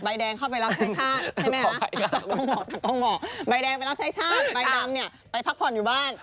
ใบแดงไปเล่าชายชาติใบดำเนี่ยไปพักผ่อนอยู่บ้าน